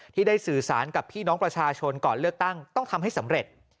ที่ได้สื่อสารกับพี่น้องประชาชนก่อนเลือกตั้งต้องทำให้สำเร็จ